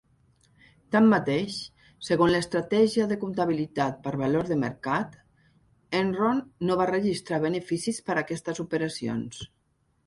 Tanmateix, segons l'estratègia de comptabilitat per valor de mercat, Enron no va registrar beneficis per aquestes operacions.